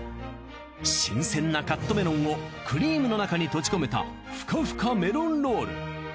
新鮮なカットメロンをクリームの中に閉じ込めた深ふかメロンロール。